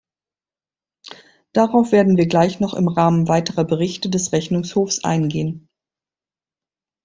Darauf werden wir gleich noch im Rahmen weiterer Berichte des Rechnungshofs eingehen.